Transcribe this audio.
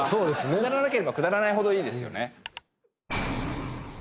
くだらなければくだらないほどいいですよね。